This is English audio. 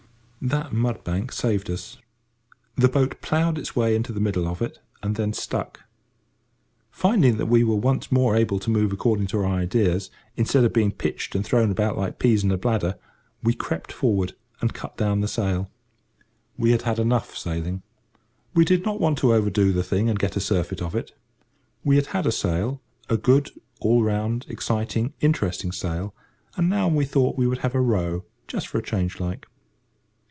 That mud bank saved us. The boat ploughed its way into the middle of it and then stuck. Finding that we were once more able to move according to our ideas, instead of being pitched and thrown about like peas in a bladder, we crept forward, and cut down the sail. We had had enough sailing. We did not want to overdo the thing and get a surfeit of it. We had had a sail—a good all round exciting, interesting sail—and now we thought we would have a row, just for a change like.